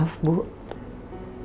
apa saya ada kemungkinan diterima ya